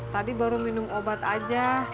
tadi baru minum obat aja